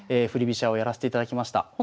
振り飛車をやらせていただきました。